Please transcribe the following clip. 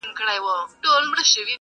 • په کلو یې یوه زرکه وه ساتلې -